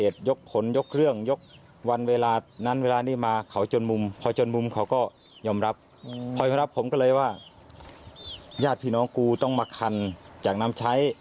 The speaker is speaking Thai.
ตอนนั้นก็เลยว่าญาติพี่น้องกูต้องมาคันจากน้ำใช้